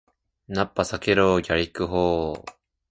ナッパ避けろー！ギャリック砲ー！